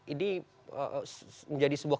ini menjadi sebuah